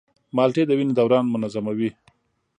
مالټې د وینې دوران منظموي.